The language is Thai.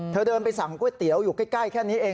เดินไปสั่งก๋วยเตี๋ยวอยู่ใกล้แค่นี้เอง